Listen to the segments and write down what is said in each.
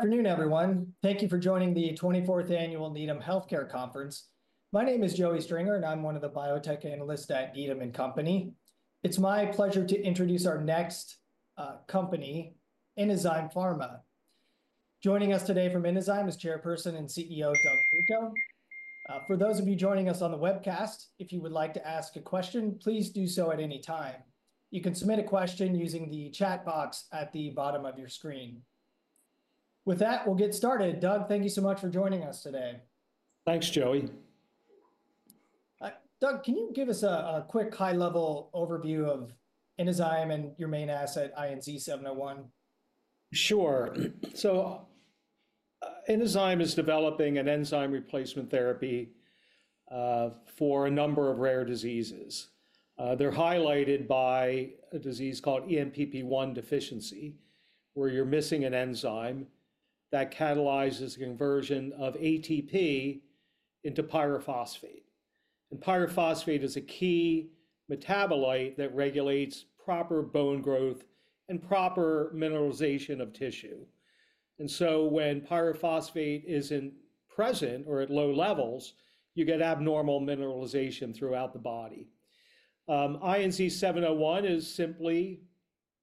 Good afternoon, everyone. Thank you for joining the 24th Annual Needham Healthcare Conference. My name is Joey Stringer, and I'm one of the biotech analysts at Needham & Company. It's my pleasure to introduce our next company, Inozyme Pharma. Joining us today from Inozyme is Chairperson and CEO Doug Treco. For those of you joining us on the webcast, if you would like to ask a question, please do so at any time. You can submit a question using the chat box at the bottom of your screen. With that, we'll get started. Doug, thank you so much for joining us today. Thanks, Joey. Doug, can you give us a quick high-level overview of Inozyme and your main asset, INZ-701? Sure. Inozyme Pharma is developing an enzyme replacement therapy for a number of rare diseases. They're highlighted by a disease called ENPP1 deficiency, where you're missing an enzyme that catalyzes the conversion of ATP into pyrophosphate. Pyrophosphate is a key metabolite that regulates proper bone growth and proper mineralization of tissue. When pyrophosphate isn't present or at low levels, you get abnormal mineralization throughout the body. INZ-701 is simply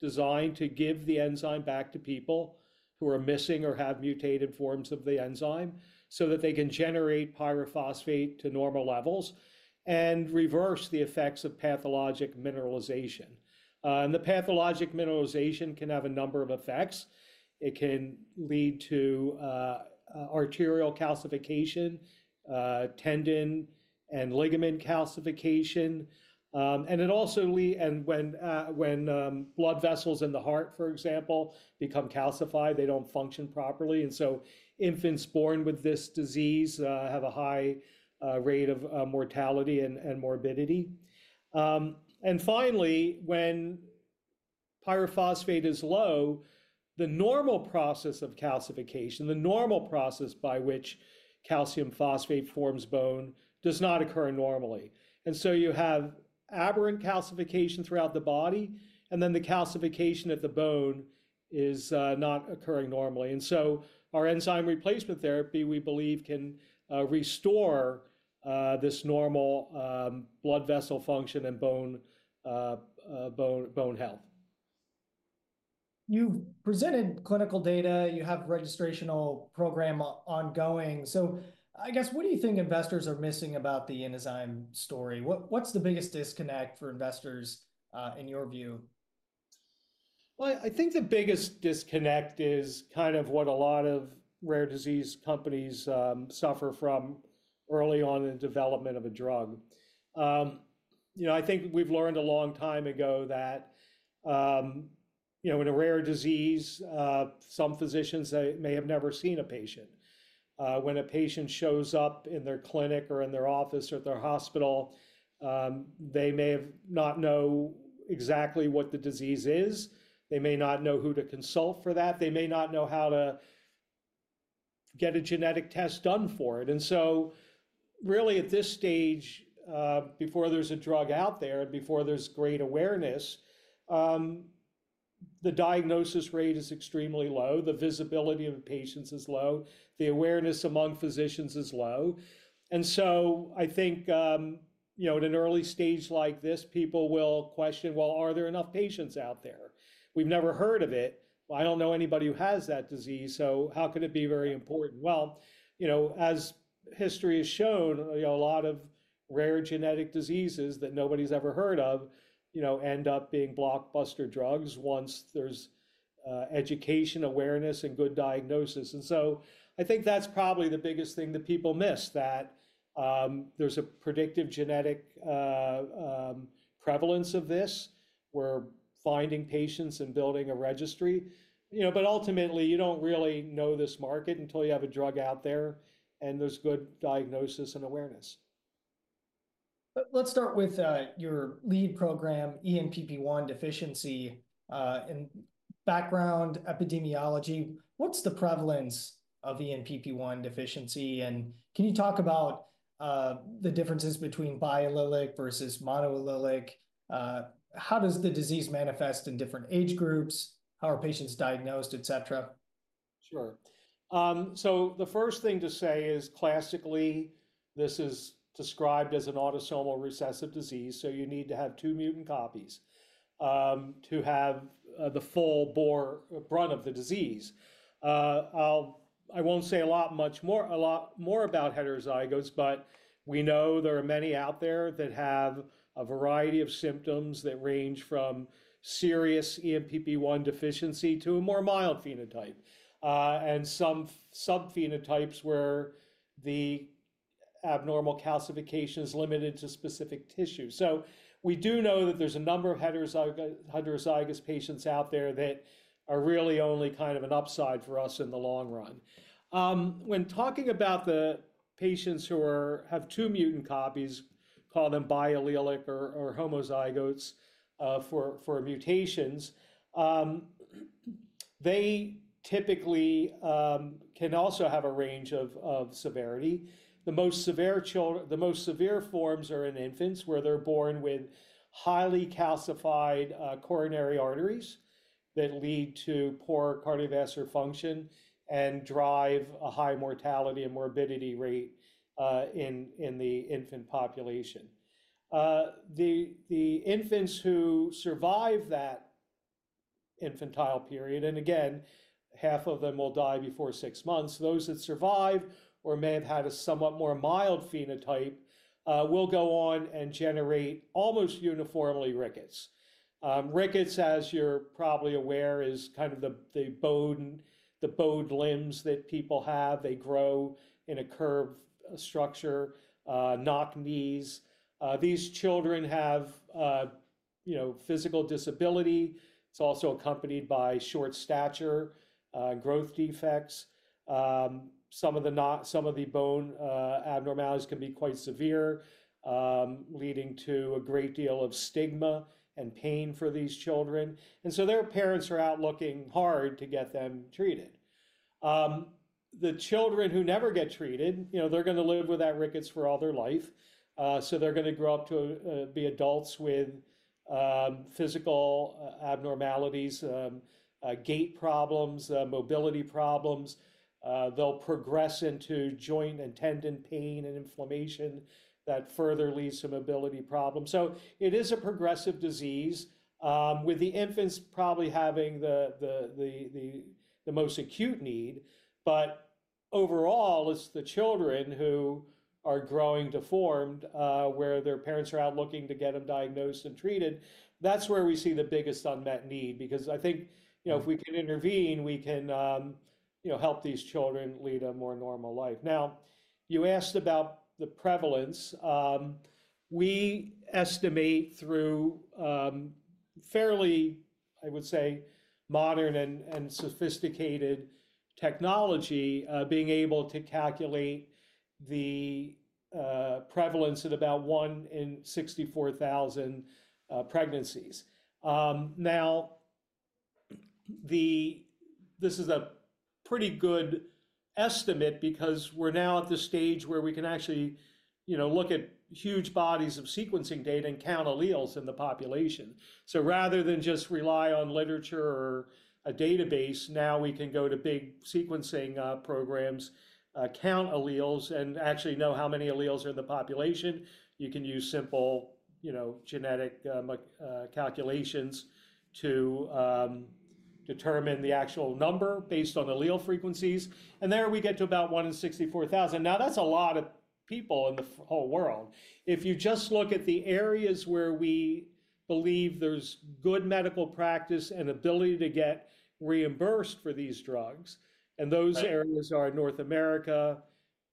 designed to give the enzyme back to people who are missing or have mutated forms of the enzyme so that they can generate pyrophosphate to normal levels and reverse the effects of pathologic mineralization. The pathologic mineralization can have a number of effects. It can lead to arterial calcification, tendon and ligament calcification. It also leads to when blood vessels in the heart, for example, become calcified, they don't function properly. Infants born with this disease have a high rate of mortality and morbidity. Finally, when pyrophosphate is low, the normal process of calcification, the normal process by which calcium phosphate forms bone, does not occur normally. You have aberrant calcification throughout the body, and the calcification at the bone is not occurring normally. Our enzyme replacement therapy, we believe, can restore this normal blood vessel function and bone health. You've presented clinical data. You have a registrational program ongoing. I guess, what do you think investors are missing about the Inozyme story? What's the biggest disconnect for investors, in your view? I think the biggest disconnect is kind of what a lot of rare disease companies suffer from early on in the development of a drug. I think we've learned a long time ago that in a rare disease, some physicians may have never seen a patient. When a patient shows up in their clinic or in their office or at their hospital, they may not know exactly what the disease is. They may not know who to consult for that. They may not know how to get a genetic test done for it. Really, at this stage, before there's a drug out there and before there's great awareness, the diagnosis rate is extremely low. The visibility of patients is low. The awareness among physicians is low. I think at an early stage like this, people will question, well, are there enough patients out there? We've never heard of it. I don't know anybody who has that disease, so how could it be very important? As history has shown, a lot of rare genetic diseases that nobody's ever heard of end up being blockbuster drugs once there's education, awareness, and good diagnosis. I think that's probably the biggest thing that people miss, that there's a predictive genetic prevalence of this. We're finding patients and building a registry. Ultimately, you don't really know this market until you have a drug out there and there's good diagnosis and awareness. Let's start with your lead program, ENPP1 deficiency. In background epidemiology, what's the prevalence of ENPP1 deficiency? Can you talk about the differences between biallelic versus monoallelic? How does the disease manifest in different age groups? How are patients diagnosed, et cetera? Sure. The first thing to say is, classically, this is described as an autosomal recessive disease, so you need to have two mutant copies to have the full brunt of the disease. I won't say a lot more about heterozygotes, but we know there are many out there that have a variety of symptoms that range from serious ENPP1 deficiency to a more mild phenotype and some subphenotypes where the abnormal calcification is limited to specific tissue. We do know that there's a number of heterozygous patients out there that are really only kind of an upside for us in the long run. When talking about the patients who have two mutant copies, call them biallelic or homozygotes for mutations, they typically can also have a range of severity. The most severe forms are in infants where they're born with highly calcified coronary arteries that lead to poor cardiovascular function and drive a high mortality and morbidity rate in the infant population. The infants who survive that infantile period, and again, half of them will die before six months, those that survive or may have had a somewhat more mild phenotype will go on and generate almost uniformly rickets. Rickets, as you're probably aware, is kind of the bowed limbs that people have. They grow in a curved structure, knock knees. These children have physical disability. It's also accompanied by short stature, growth defects. Some of the bone abnormalities can be quite severe, leading to a great deal of stigma and pain for these children. Their parents are out looking hard to get them treated. The children who never get treated, they're going to live with that rickets for all their life. They're going to grow up to be adults with physical abnormalities, gait problems, mobility problems. They'll progress into joint and tendon pain and inflammation that further leads to mobility problems. It is a progressive disease with the infants probably having the most acute need. Overall, it's the children who are growing deformed where their parents are out looking to get them diagnosed and treated. That's where we see the biggest unmet need because I think if we can intervene, we can help these children lead a more normal life. Now, you asked about the prevalence. We estimate through fairly, I would say, modern and sophisticated technology being able to calculate the prevalence at about one in 64,000 pregnancies. Now, this is a pretty good estimate because we're now at the stage where we can actually look at huge bodies of sequencing data and count alleles in the population. Rather than just rely on literature or a database, now we can go to big sequencing programs, count alleles, and actually know how many alleles are in the population. You can use simple genetic calculations to determine the actual number based on allele frequencies. There we get to about one in 64,000. That's a lot of people in the whole world. If you just look at the areas where we believe there's good medical practice and ability to get reimbursed for these drugs, and those areas are North America,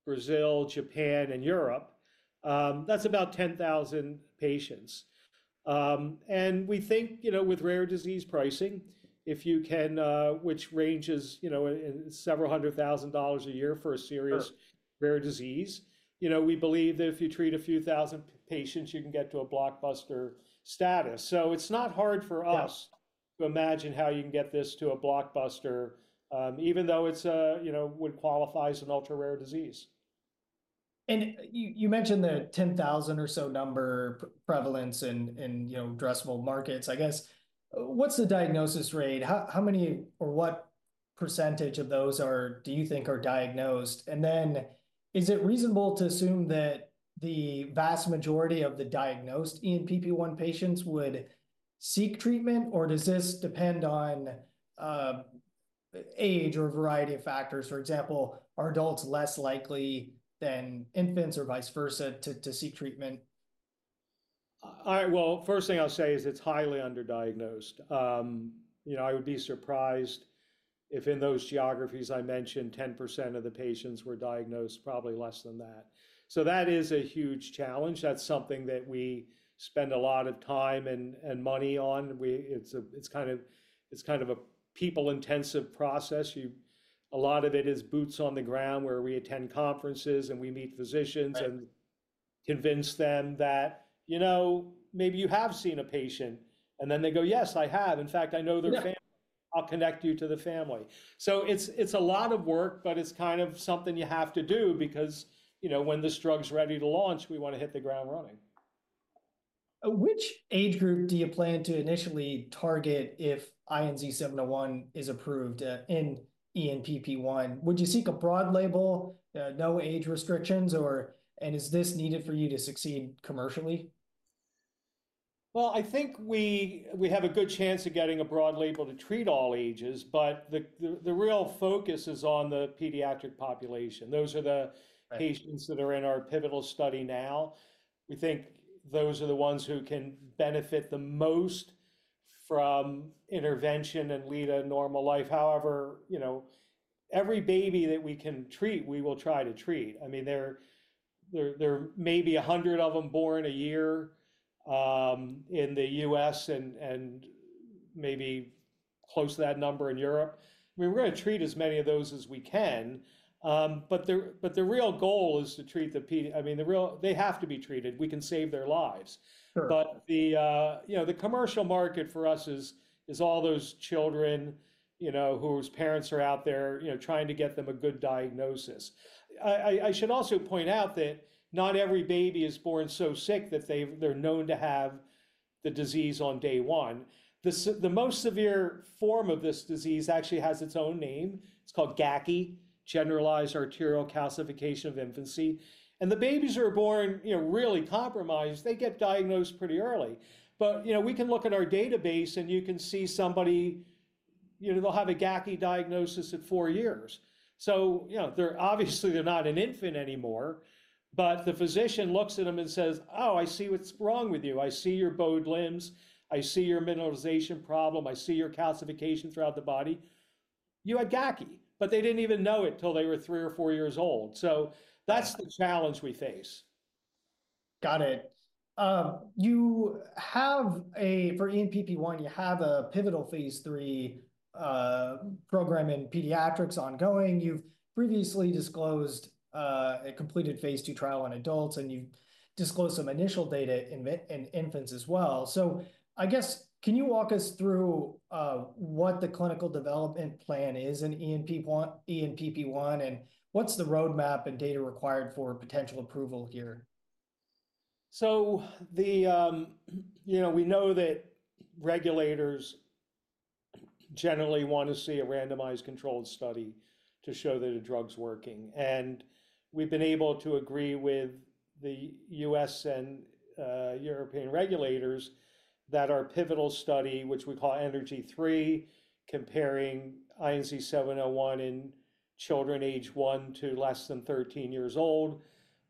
Brazil, Japan, and Europe, that's about 10,000 patients. With rare disease pricing, which ranges in several hundred thousand dollars a year for a serious rare disease, we believe that if you treat a few thousand patients, you can get to a blockbuster status. It is not hard for us to imagine how you can get this to a blockbuster, even though it would qualify as an ultra-rare disease. You mentioned the 10,000 or so number prevalence in addressable markets. I guess, what's the diagnosis rate? How many or what percentage of those do you think are diagnosed? Is it reasonable to assume that the vast majority of the diagnosed ENPP1 patients would seek treatment, or does this depend on age or a variety of factors? For example, are adults less likely than infants or vice versa to seek treatment? All right. The first thing I'll say is it's highly underdiagnosed. I would be surprised if in those geographies I mentioned, 10% of the patients were diagnosed, probably less than that. That is a huge challenge. That's something that we spend a lot of time and money on. It's kind of a people-intensive process. A lot of it is boots on the ground where we attend conferences and we meet physicians and convince them that maybe you have seen a patient. They go, "Yes, I have. In fact, I know their family. I'll connect you to the family." It's a lot of work, but it's kind of something you have to do because when this drug's ready to launch, we want to hit the ground running. Which age group do you plan to initially target if INZ-701 is approved in ENPP1? Would you seek a broad label, no age restrictions, and is this needed for you to succeed commercially? I think we have a good chance of getting a broad label to treat all ages, but the real focus is on the pediatric population. Those are the patients that are in our pivotal study now. We think those are the ones who can benefit the most from intervention and lead a normal life. However, every baby that we can treat, we will try to treat. I mean, there may be 100 of them born a year in the U.S. and maybe close to that number in Europe. I mean, we're going to treat as many of those as we can. The real goal is to treat the—I mean, they have to be treated. We can save their lives. The commercial market for us is all those children whose parents are out there trying to get them a good diagnosis. I should also point out that not every baby is born so sick that they're known to have the disease on day one. The most severe form of this disease actually has its own name. It's called GACI, generalized arterial calcification of infancy. The babies who are born really compromised, they get diagnosed pretty early. We can look at our database and you can see somebody, they'll have a GACI diagnosis at four years. Obviously, they're not an infant anymore. The physician looks at them and says, "Oh, I see what's wrong with you. I see your bowed limbs. I see your mineralization problem. I see your calcification throughout the body. You had GACI," but they didn't even know it till they were three or four years old. That's the challenge we face. Got it. For ENPP1, you have a pivotal phase 3 program in pediatrics ongoing. You've previously disclosed a completed phase 2 trial in adults, and you've disclosed some initial data in infants as well. I guess, can you walk us through what the clinical development plan is in ENPP1 and what's the roadmap and data required for potential approval here? We know that regulators generally want to see a randomized controlled study to show that a drug's working. We've been able to agree with the U.S. and European regulators that our pivotal study, which we call ENERGY-3, comparing INZ-701 in children age one to less than 13 years old,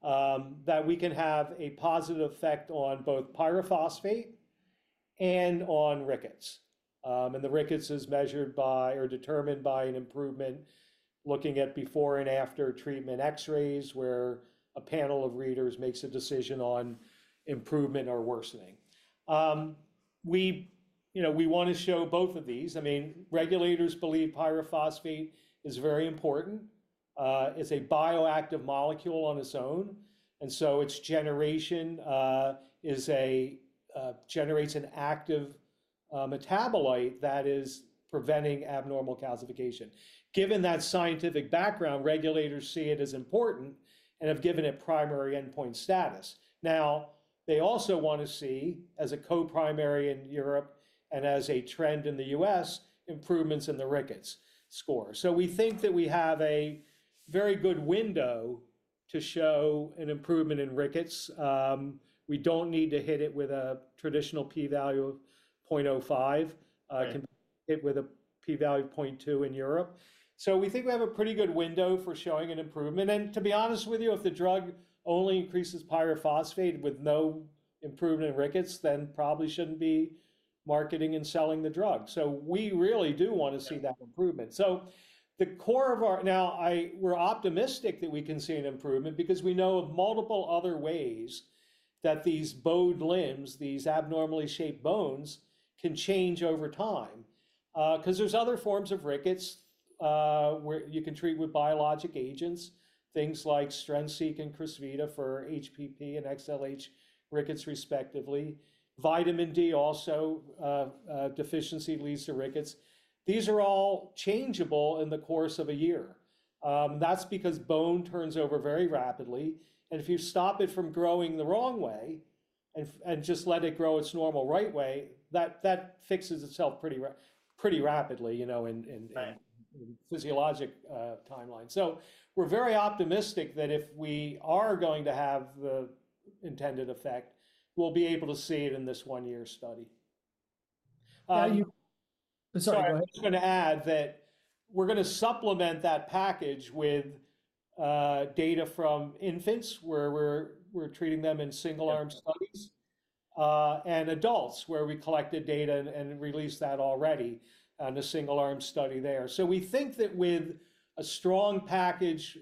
that we can have a positive effect on both pyrophosphate and on rickets. The rickets is measured by or determined by an improvement looking at before and after treatment X-rays where a panel of readers makes a decision on improvement or worsening. We want to show both of these. I mean, regulators believe pyrophosphate is very important. It's a bioactive molecule on its own. Its generation generates an active metabolite that is preventing abnormal calcification. Given that scientific background, regulators see it as important and have given it primary endpoint status. Now, they also want to see, as a co-primary in Europe and as a trend in the U.S., improvements in the rickets score. We think that we have a very good window to show an improvement in rickets. We don't need to hit it with a traditional p-value of 0.05. It can be hit with a p-value of 0.2 in Europe. We think we have a pretty good window for showing an improvement. To be honest with you, if the drug only increases pyrophosphate with no improvement in rickets, then probably shouldn't be marketing and selling the drug. We really do want to see that improvement. The core of our now, we're optimistic that we can see an improvement because we know of multiple other ways that these bowed limbs, these abnormally shaped bones can change over time because there's other forms of rickets where you can treat with biologic agents, things like Strensiq and Crysvita for HPP and XLH rickets respectively. Vitamin D also, deficiency leads to rickets. These are all changeable in the course of a year. That's because bone turns over very rapidly. If you stop it from growing the wrong way and just let it grow its normal right way, that fixes itself pretty rapidly in physiologic timeline. We're very optimistic that if we are going to have the intended effect, we'll be able to see it in this one-year study. Sorry, go ahead. I was going to add that we're going to supplement that package with data from infants where we're treating them in single-arm studies and adults where we collected data and released that already in a single-arm study there. We think that with a strong package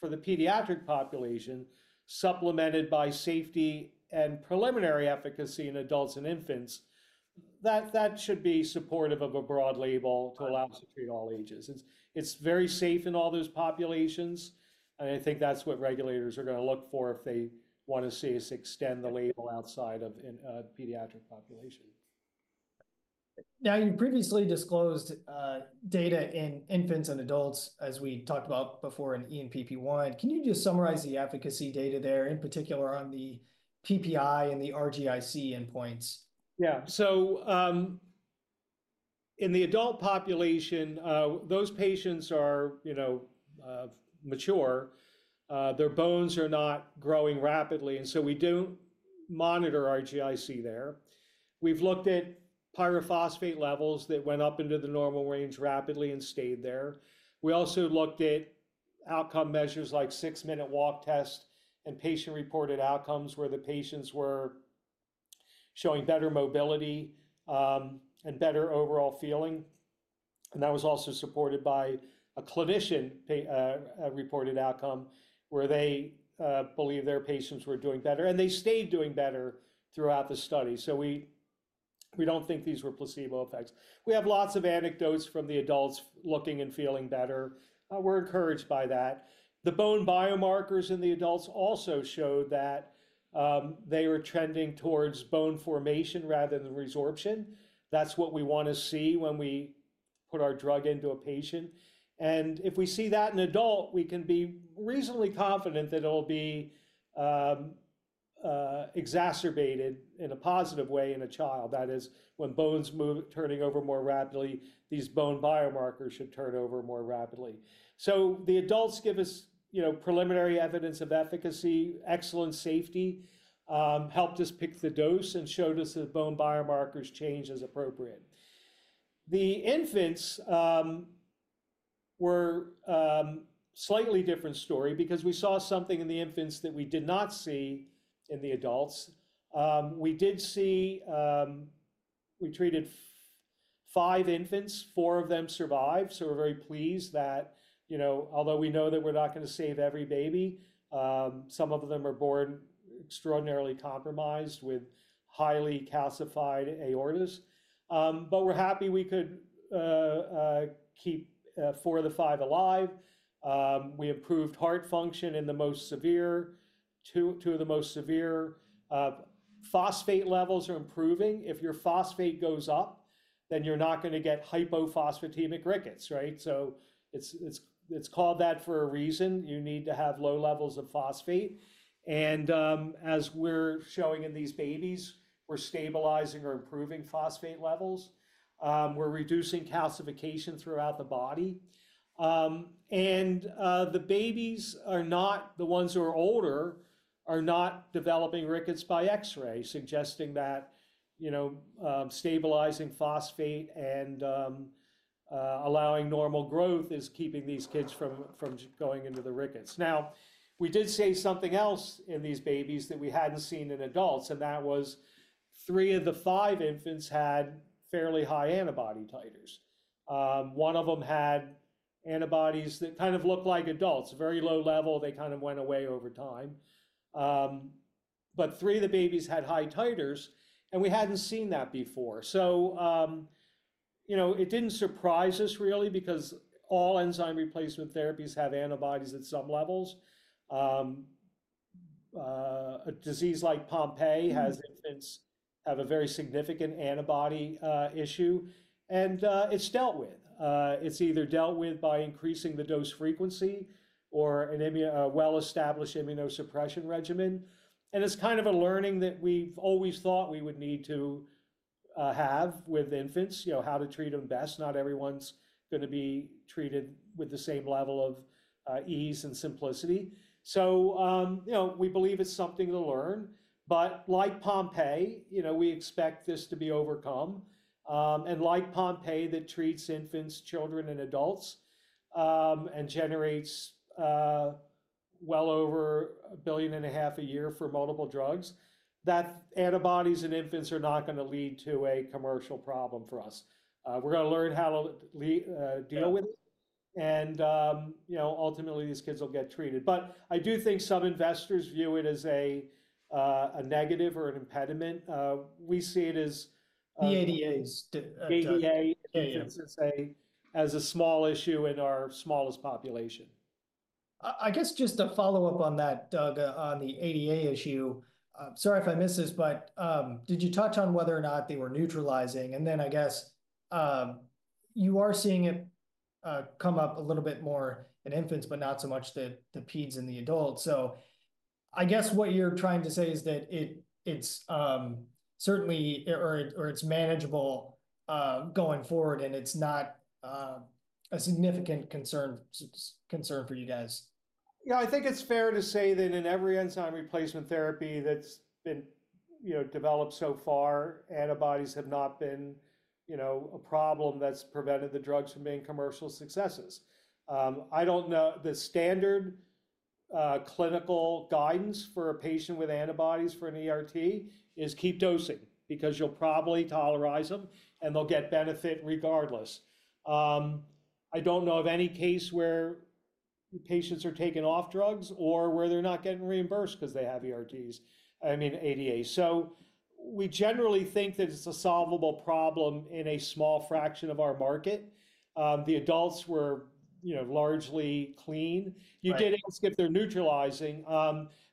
for the pediatric population supplemented by safety and preliminary efficacy in adults and infants, that should be supportive of a broad label to allow us to treat all ages. It's very safe in all those populations. I think that's what regulators are going to look for if they want to see us extend the label outside of pediatric population. Now, you previously disclosed data in infants and adults as we talked about before in ENPP1. Can you just summarize the efficacy data there in particular on the PPi and the RGI-C endpoints? Yeah. In the adult population, those patients are mature. Their bones are not growing rapidly. We don't monitor RGI-C there. We've looked at pyrophosphate levels that went up into the normal range rapidly and stayed there. We also looked at outcome measures like six-minute walk test and patient-reported outcomes where the patients were showing better mobility and better overall feeling. That was also supported by a clinician-reported outcome where they believe their patients were doing better. They stayed doing better throughout the study. We don't think these were placebo effects. We have lots of anecdotes from the adults looking and feeling better. We're encouraged by that. The bone biomarkers in the adults also showed that they were trending towards bone formation rather than resorption. That's what we want to see when we put our drug into a patient. If we see that in an adult, we can be reasonably confident that it'll be exacerbated in a positive way in a child. That is, when bones are turning over more rapidly, these bone biomarkers should turn over more rapidly. The adults give us preliminary evidence of efficacy, excellent safety, helped us pick the dose, and showed us that bone biomarkers change as appropriate. The infants were a slightly different story because we saw something in the infants that we did not see in the adults. We did see we treated five infants. Four of them survived. We are very pleased that although we know that we are not going to save every baby, some of them are born extraordinarily compromised with highly calcified aorta. We are happy we could keep four of the five alive. We improved heart function in the most severe, two of the most severe. Phosphate levels are improving. If your phosphate goes up, then you're not going to get hypophosphatemic rickets, right? It is called that for a reason. You need to have low levels of phosphate. As we're showing in these babies, we're stabilizing or improving phosphate levels. We're reducing calcification throughout the body. The babies who are older are not developing rickets by X-ray, suggesting that stabilizing phosphate and allowing normal growth is keeping these kids from going into the rickets. We did say something else in these babies that we hadn't seen in adults. That was three of the five infants had fairly high antibody titers. One of them had antibodies that kind of looked like adults, very low level. They kind of went away over time. Three of the babies had high titers. We hadn't seen that before. It did not surprise us really because all enzyme replacement therapies have antibodies at some levels. A disease like Pompe has infants have a very significant antibody issue. It is dealt with. It is either dealt with by increasing the dose frequency or a well-established immunosuppression regimen. It is kind of a learning that we have always thought we would need to have with infants, how to treat them best. Not everyone is going to be treated with the same level of ease and simplicity. We believe it is something to learn. Like Pompe, we expect this to be overcome. Like Pompe that treats infants, children, and adults and generates well over $1.5 billion a year for multiple drugs, antibodies in infants are not going to lead to a commercial problem for us. We are going to learn how to deal with it. Ultimately, these kids will get treated. I do think some investors view it as a negative or an impediment. We see it as. The ADA issue. ADA issues as a small issue in our smallest population. I guess just to follow up on that, Doug, on the ADA issue, sorry if I missed this, but did you touch on whether or not they were neutralizing? I guess you are seeing it come up a little bit more in infants, but not so much the peds and the adults. I guess what you're trying to say is that it's certainly or it's manageable going forward, and it's not a significant concern for you guys. Yeah, I think it's fair to say that in every enzyme replacement therapy that's been developed so far, antibodies have not been a problem that's prevented the drugs from being commercial successes. I don't know the standard clinical guidance for a patient with antibodies for an ERT is keep dosing because you'll probably tolerize them, and they'll get benefit regardless. I don't know of any case where patients are taken off drugs or where they're not getting reimbursed because they have ERTs, I mean, ADA. We generally think that it's a solvable problem in a small fraction of our market. The adults were largely clean. You did ask if they're neutralizing.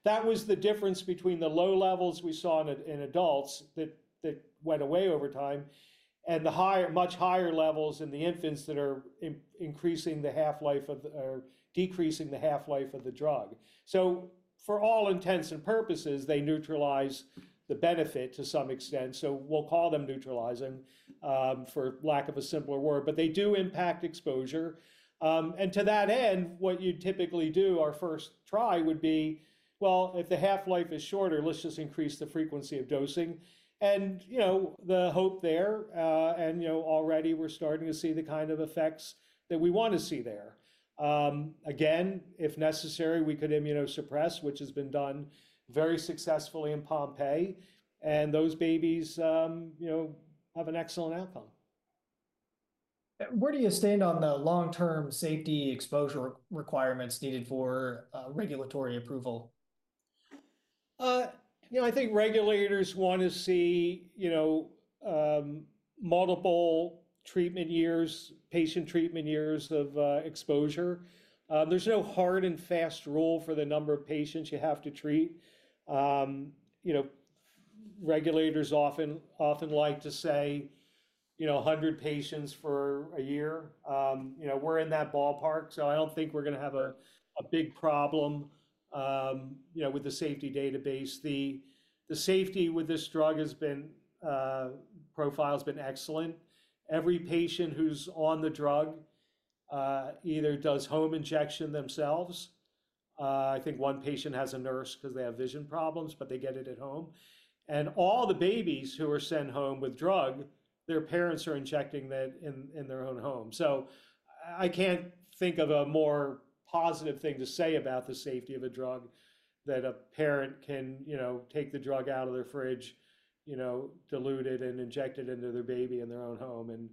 That was the difference between the low levels we saw in adults that went away over time and the much higher levels in the infants that are increasing the half-life of or decreasing the half-life of the drug. For all intents and purposes, they neutralize the benefit to some extent. We'll call them neutralizing for lack of a simpler word. They do impact exposure. To that end, what you'd typically do, our first try would be, if the half-life is shorter, let's just increase the frequency of dosing. The hope there, and already, we're starting to see the kind of effects that we want to see there. Again, if necessary, we could immunosuppress, which has been done very successfully in Pompe. Those babies have an excellent outcome. Where do you stand on the long-term safety exposure requirements needed for regulatory approval? I think regulators want to see multiple treatment years, patient treatment years of exposure. There's no hard and fast rule for the number of patients you have to treat. Regulators often like to say 100 patients for a year. We're in that ballpark. I don't think we're going to have a big problem with the safety database. The safety with this drug profile has been excellent. Every patient who's on the drug either does home injection themselves. I think one patient has a nurse because they have vision problems, but they get it at home. All the babies who are sent home with drug, their parents are injecting that in their own home. I can't think of a more positive thing to say about the safety of a drug than a parent can take the drug out of their fridge, dilute it, and inject it into their baby in their own home and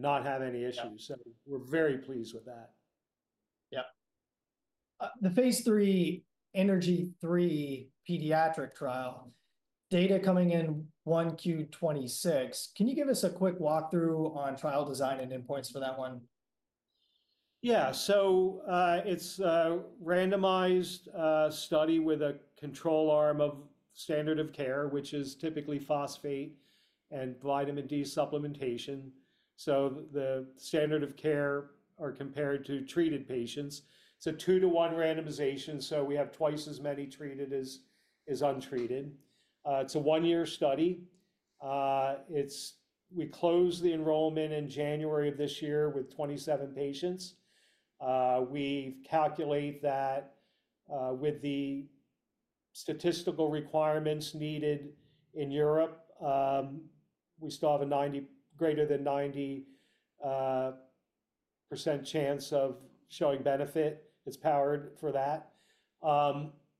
not have any issues. We are very pleased with that. Yep. The phase III ENERGY-3 pediatric trial, data coming in 1Q 2026. Can you give us a quick walkthrough on trial design and endpoints for that one? Yeah. So it's a randomized study with a control arm of standard of care, which is typically phosphate and vitamin D supplementation. So the standard of care are compared to treated patients. It's a two-to-one randomization. So we have twice as many treated as untreated. It's a one-year study. We closed the enrollment in January of this year with 27 patients. We calculate that with the statistical requirements needed in Europe, we still have a greater than 90% chance of showing benefit. It's powered for that.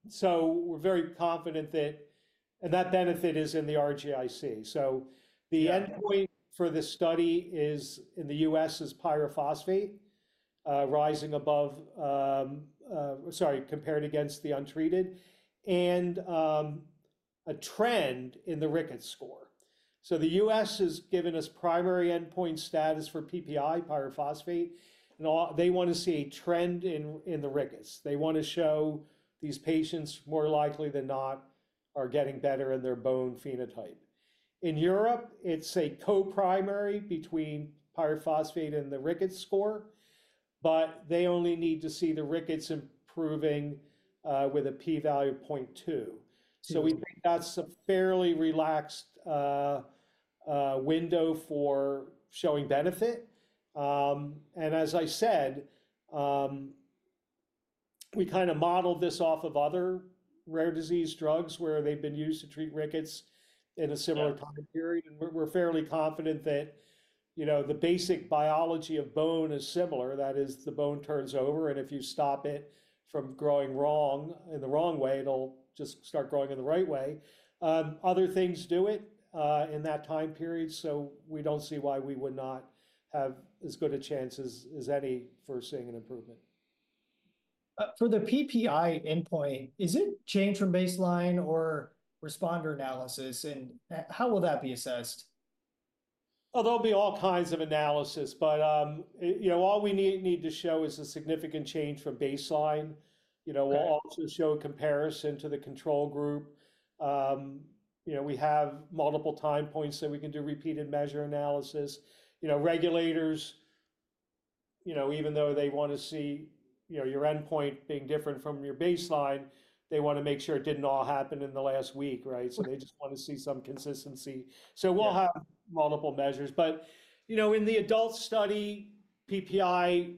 So we're very confident that and that benefit is in the RGI-C. So the endpoint for the study in the U.S. is pyrophosphate rising above sorry, compared against the untreated and a trend in the rickets score. So the U.S. has given us primary endpoint status for PPi, pyrophosphate. They want to see a trend in the rickets. They want to show these patients more likely than not are getting better in their bone phenotype. In Europe, it's a co-primary between pyrophosphate and the rickets score. They only need to see the rickets improving with a p-value of 0.2. We think that's a fairly relaxed window for showing benefit. As I said, we kind of modeled this off of other rare disease drugs where they've been used to treat rickets in a similar time period. We're fairly confident that the basic biology of bone is similar. That is, the bone turns over. If you stop it from growing wrong in the wrong way, it'll just start growing in the right way. Other things do it in that time period. We don't see why we would not have as good a chance as any for seeing an improvement. For the PPi endpoint, is it changed from baseline or responder analysis? And how will that be assessed? Oh, there'll be all kinds of analysis. All we need to show is a significant change from baseline. We'll also show a comparison to the control group. We have multiple time points that we can do repeated measure analysis. Regulators, even though they want to see your endpoint being different from your baseline, they want to make sure it didn't all happen in the last week, right? They just want to see some consistency. We'll have multiple measures. In the adult study, PPi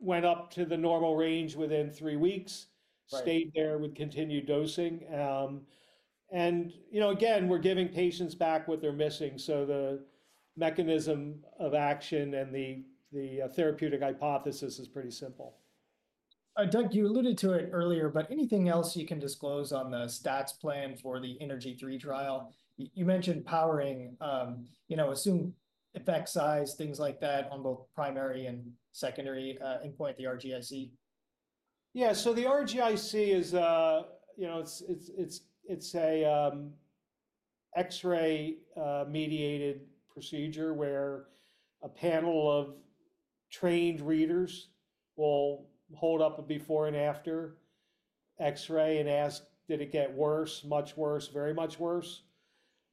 went up to the normal range within three weeks, stayed there with continued dosing. Again, we're giving patients back what they're missing. The mechanism of action and the therapeutic hypothesis is pretty simple. Doug, you alluded to it earlier, but anything else you can disclose on the stats plan for the ENERGY-3 trial? You mentioned powering, assume effect size, things like that on both primary and secondary endpoint, the RGI-C. Yeah. So the RGI-C is, it's an X-ray-mediated procedure where a panel of trained readers will hold up a before and after X-ray and ask, did it get worse, much worse, very much worse,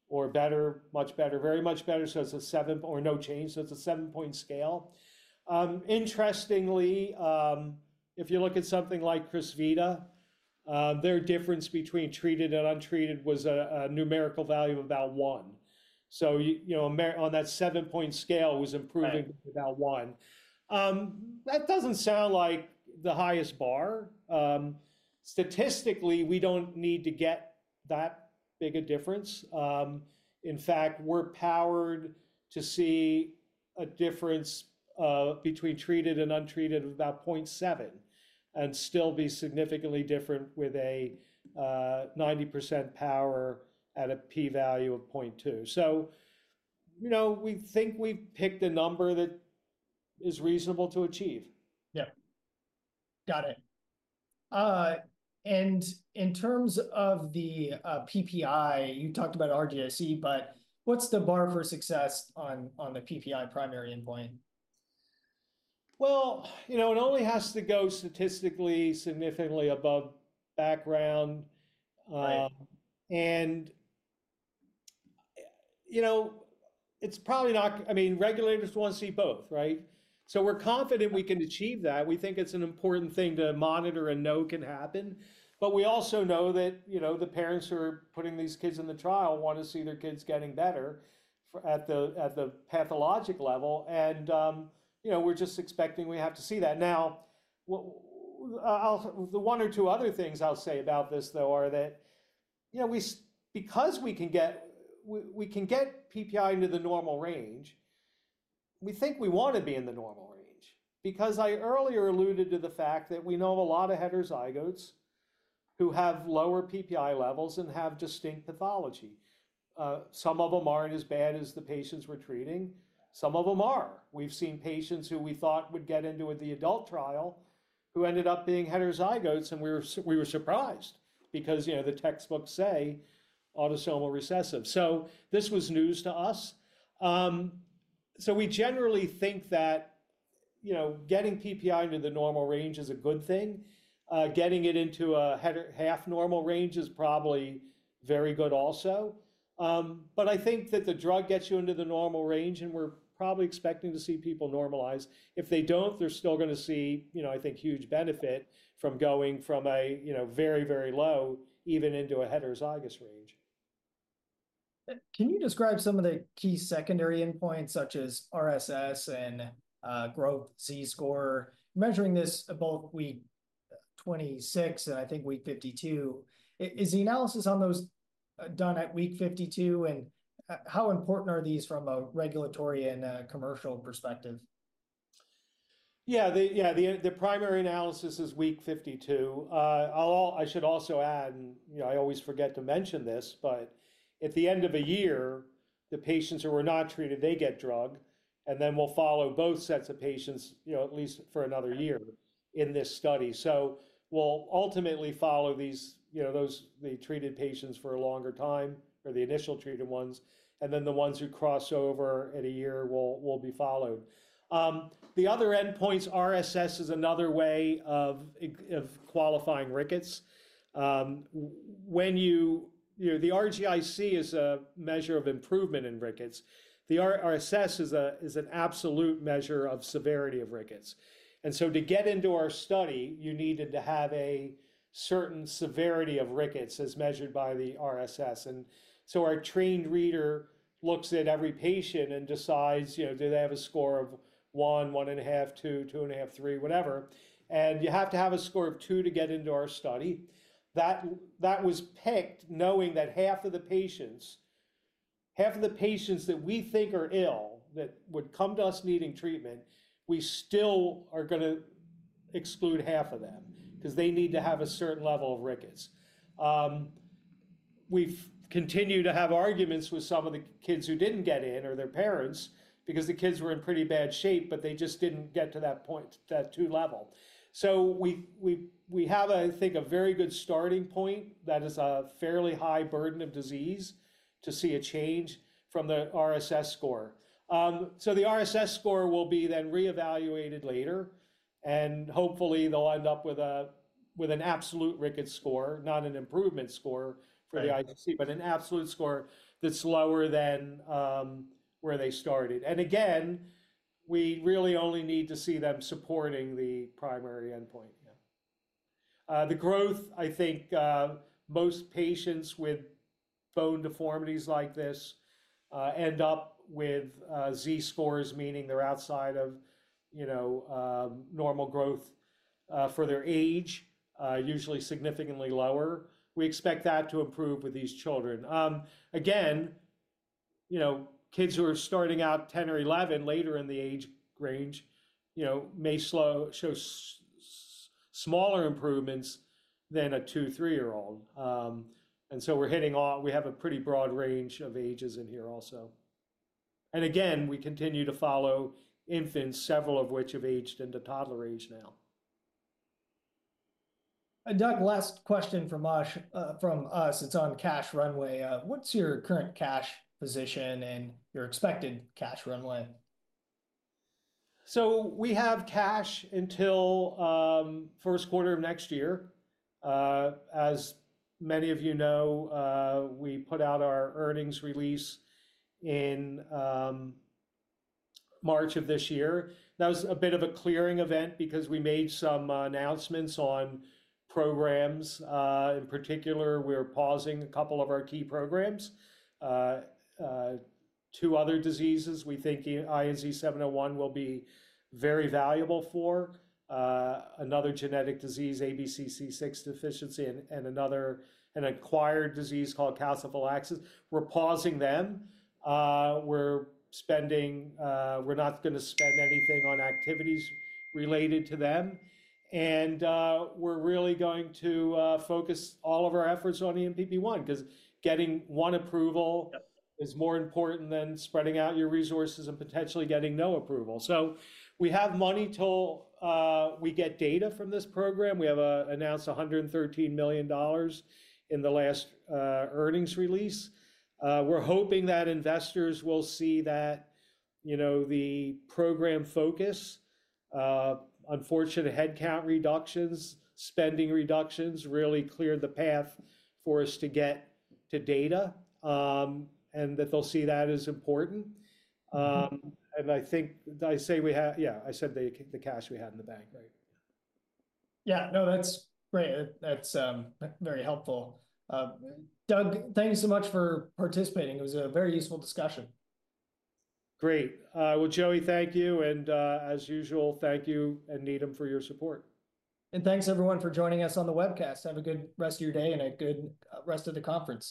or better, much better, very much better? So it's a seven or no change. So it's a seven-point scale. Interestingly, if you look at something like Crysvita, their difference between treated and untreated was a numerical value of about 1. So on that seven-point scale, it was improving by about 1. That does not sound like the highest bar. Statistically, we do not need to get that big a difference. In fact, we are powered to see a difference between treated and untreated of about 0.7 and still be significantly different with a 90% power at a p-value of 0.2. So we think we have picked a number that is reasonable to achieve. Yeah. Got it. In terms of the PPi, you talked about RGI-C, but what's the bar for success on the PPi primary endpoint? It only has to go statistically significantly above background. It's probably not, I mean, regulators want to see both, right? We're confident we can achieve that. We think it's an important thing to monitor and know can happen. We also know that the parents who are putting these kids in the trial want to see their kids getting better at the pathologic level. We're just expecting we have to see that. The one or two other things I'll say about this, though, are that because we can get PPi into the normal range, we think we want to be in the normal range because I earlier alluded to the fact that we know of a lot of heterozygotes who have lower PPi levels and have distinct pathology. Some of them aren't as bad as the patients we're treating. Some of them are. We've seen patients who we thought would get into the adult trial who ended up being heterozygotes. We were surprised because the textbooks say autosomal recessive. This was news to us. We generally think that getting PPi into the normal range is a good thing. Getting it into a half-normal range is probably very good also. I think that the drug gets you into the normal range, and we're probably expecting to see people normalize. If they don't, they're still going to see, I think, huge benefit from going from a very, very low even into a heterozygous range. Can you describe some of the key secondary endpoints such as RSS and growth Z-score? Measuring this both week 26 and I think week 52, is the analysis on those done at week 52? How important are these from a regulatory and commercial perspective? Yeah. Yeah, the primary analysis is week 52. I should also add, and I always forget to mention this, at the end of a year, the patients who were not treated, they get drug. We will follow both sets of patients at least for another year in this study. We will ultimately follow those treated patients for a longer time or the initial treated ones. The ones who cross over in a year will be followed. The other endpoints, RSS is another way of qualifying rickets. The RGI-C is a measure of improvement in rickets. The RSS is an absolute measure of severity of rickets. To get into our study, you needed to have a certain severity of rickets as measured by the RSS. Our trained reader looks at every patient and decides, do they have a score of 1, 1.5, 2, 2.5, 3, whatever. You have to have a score of 2 to get into our study. That was picked knowing that half of the patients, half of the patients that we think are ill that would come to us needing treatment, we still are going to exclude half of them because they need to have a certain level of rickets. We've continued to have arguments with some of the kids who didn't get in or their parents because the kids were in pretty bad shape, but they just didn't get to that point, that 2 level. We have, I think, a very good starting point that is a fairly high burden of disease to see a change from the RSS score. The RSS score will be then reevaluated later. Hopefully, they'll end up with an absolute rickets score, not an improvement score for the RGI-C, but an absolute score that's lower than where they started. Again, we really only need to see them supporting the primary endpoint. Yeah. The growth, I think most patients with bone deformities like this end up with Z-scores, meaning they're outside of normal growth for their age, usually significantly lower. We expect that to improve with these children. Again, kids who are starting out 10 or 11, later in the age range may show smaller improvements than a 2, 3-year-old. We have a pretty broad range of ages in here also. Again, we continue to follow infants, several of which have aged into toddler age now. Doug, last question from us. It's on cash runway. What's your current cash position and your expected cash runway? We have cash until first quarter of next year. As many of you know, we put out our earnings release in March of this year. That was a bit of a clearing event because we made some announcements on programs. In particular, we're pausing a couple of our key programs. Two other diseases we think INZ-701 will be very valuable for, another genetic disease, ABCC6 deficiency, and an acquired disease called calciphylaxis. We're pausing them. We're not going to spend anything on activities related to them. We're really going to focus all of our efforts on ENPP1 because getting one approval is more important than spreading out your resources and potentially getting no approval. We have money till we get data from this program. We have announced $113 million in the last earnings release. We're hoping that investors will see that the program focus, unfortunate headcount reductions, spending reductions really cleared the path for us to get to data and that they'll see that is important. I think I say we have, yeah, I said the cash we have in the bank, right? Yeah. No, that's great. That's very helpful. Doug, thanks so much for participating. It was a very useful discussion. Great. Joey, thank you. As usual, thank you and Needham for your support. Thanks, everyone, for joining us on the webcast. Have a good rest of your day and a good rest of the conference.